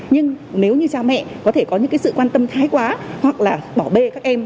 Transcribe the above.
nhưng nếu như cha mẹ có thể có những sự quan tâm thái quá hoặc là bỏ bê các em